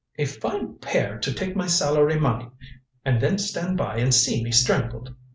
"A fine pair to take my salary money, and then stand by and see me strangled."